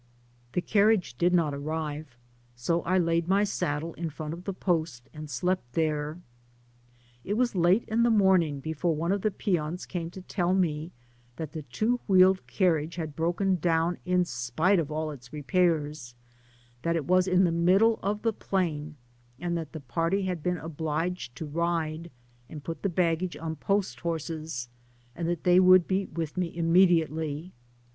The carriage did not arrive, so I laid my saddle in front of the post, and slept there. It was late in the morning before one of the peons came to tell me that the two wheeled carriage had broken down in spite^ of all its repairs ; that it was in the middle of the plain, and that the party had been obliged to ride, and put the baggage on post horses. Digitized byGoogk • THE PAMPAS. 265 and that they would be with me immediately.